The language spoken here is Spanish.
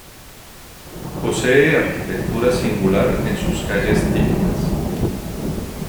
Posee arquitectura singular en sus calles típicas.